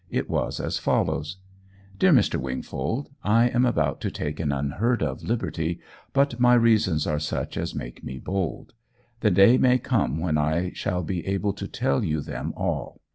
It was as follows: "Dear Mr. Wingfold, I am about to take an unheard of liberty, but my reasons are such as make me bold. The day may come when I shall be able to tell you them all.